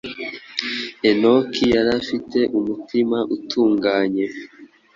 Enoki yari afite umutima utunganye,